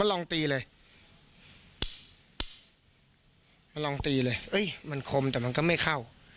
ลองตีเลยมันลองตีเลยมันคมแต่มันก็ไม่เข้า